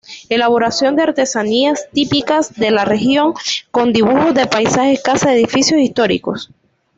Elaboración de artesanías típicas de la región con dibujos de paisajes, casas, edificios históricos.